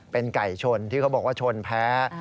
เป็นไก่ชนที่เขาบอกว่าชนแพ้